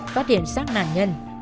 phát hiện xác nạn nhân